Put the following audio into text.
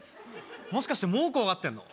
もしかしてもう怖がってんの？